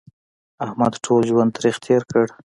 احمد ټول ژوند تریخ تېر کړ